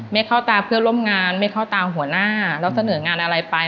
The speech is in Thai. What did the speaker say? ไม่เข้าตาเพื่อนร่วมงานไม่เข้าตาหัวหน้าแล้วเสนองานอะไรไป